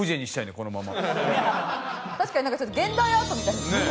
確かになんかちょっと現代アートみたいですね。